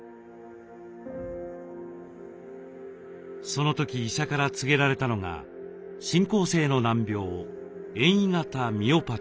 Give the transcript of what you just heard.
その時医者から告げられたのが進行性の難病遠位型ミオパチーでした。